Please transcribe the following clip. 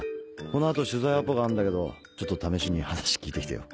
このあと取材アポがあるんだけどちょっと試しに話聞いてきてよ。